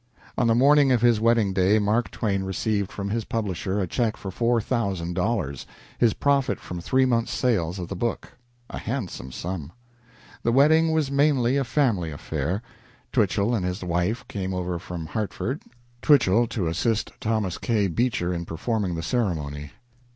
On the morning of his wedding day Mark Twain received from his publisher a check for four thousand dollars, his profit from three months' sales of the book, a handsome sum. The wedding was mainly a family affair. Twichell and his wife came over from Hartford Twichell to assist Thomas K. Beecher in performing the ceremony.